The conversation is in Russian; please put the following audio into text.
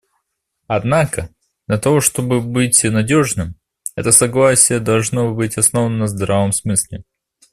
Однако, для того чтобы быть надежным, это согласие должно быть основано на здравом смысле.